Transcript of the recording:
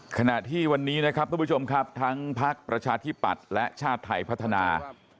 ขณะที่วันนี้นะครับทุกผู้ชมครับทั้งพักประชาธิปัตย์และชาติไทยพัฒนา